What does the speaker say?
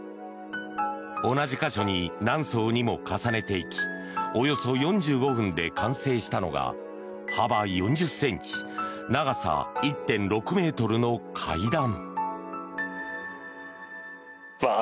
同じ箇所に何層にも重ねていきおよそ４５分で完成したのが幅４０ｃｍ長さ１．６ｍの階段。